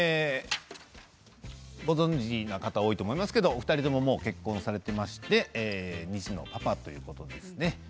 ご存じの方多いと思いますけどお二人ももう結婚されていまして２児のパパということですね。